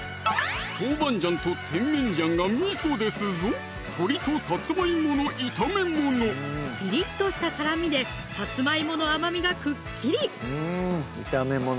トウバンジャンとテンメンジャンがみそですぞピリッとした辛みでさつまいもの甘みがくっきり！